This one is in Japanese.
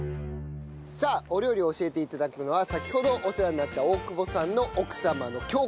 さあお料理を教えていただくのは先ほどお世話になった大久保さんの奥様の京子さんです。